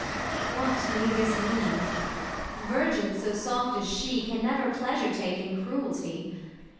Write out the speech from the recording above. [Exit. Ang. Whatmay this mean'? Virgins so soft as she Can never pleasure take in cruelty.